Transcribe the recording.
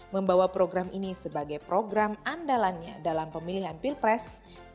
membawa program ini sebagai program andalannya dalam pemilihan pilpres dua ribu sembilan belas